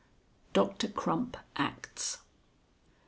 DOCTOR CRUMP ACTS. XLI.